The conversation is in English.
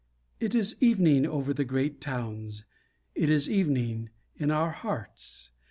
It is evening over the great towns, It is evening in our hearts.